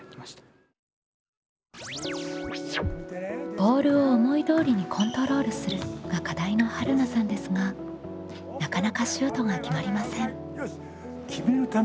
「ボールを思い通りにコントロールする」が課題のはるなさんですがなかなかシュートが決まりません。